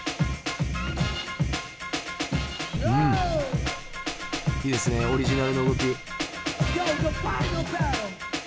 うんいいですねオリジナルの動き。